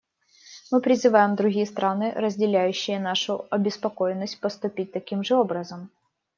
Мы призываем другие страны, разделяющие нашу обеспокоенность, поступить таким же образом.